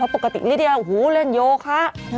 เพราะปกติลิดเดียวโอ้โฮเล่นโยคะ